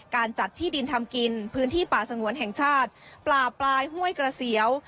จัดที่ดินทำกินพื้นที่ป่าสงวนแห่งชาติป่าปลายห้วยกระเสียว